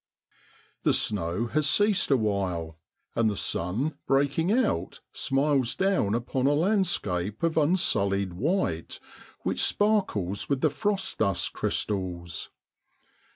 The snow has ceased awhile, and the sun breaking out smiles down upon a landscape of unsullied white, which sparkles with the frost dust crys tals.